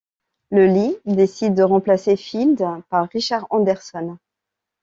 Le Lee décide de remplacer Field par Richard Anderson.